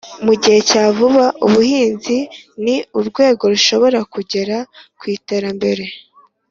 mu gihe cya vuba, ubuhinzi ni urwego rushobora kugera ku iterambere